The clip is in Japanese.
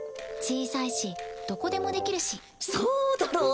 小さいしどこでもできるし。